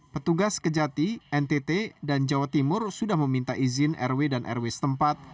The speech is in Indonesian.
petugas kejati ntt dan jawa timur sudah meminta izin rw dan rw setempat